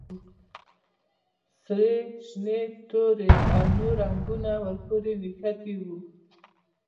سرې، شنې، تورې او نورې رنګونه ور پورې نښتي وو.